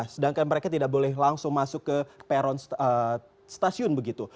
sedangkan mereka tidak boleh langsung masuk ke peron stasiun begitu